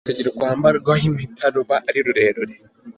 Urutoki rwambarwaho impeta ruba ari rurerure.